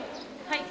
はい！